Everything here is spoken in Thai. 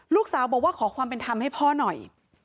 ลูกสาวบอกว่าขอความเป็นธรรมให้พ่อหน่อย